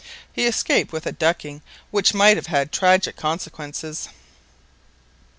He escaped with a ducking which might have had tragic consequences.